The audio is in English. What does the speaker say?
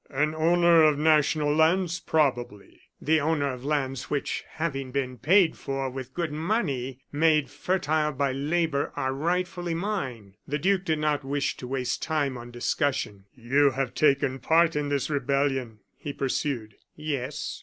"An owner of national lands, probably?" "The owner of lands which, having been paid for with good money and made fertile by labor, are rightfully mine." The duke did not wish to waste time on discussion. "You have taken part in this rebellion?" he pursued. "Yes."